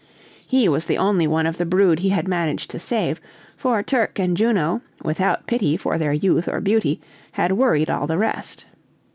He was the only one of the brood he had managed to save, for Turk and Juno, without pity for their youth or beauty, had worried all the rest.